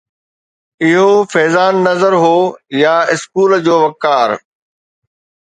اهو فيضان نظر هو يا اسڪول جو وقار